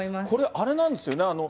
これ、あれなんですよね。